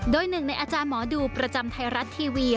โดยหนึ่งในอาจารย์หมอดูประจำไทยรัฐทีวี